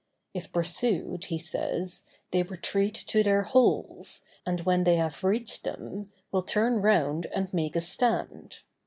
If pursued, he says, they retreat to their holes, and when they have reached them, will turn round and make a stand.